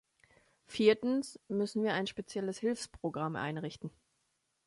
Viertens müssen wir ein spezielles Hilfsprogramm einrichten.